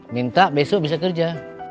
minta besok bisa kerja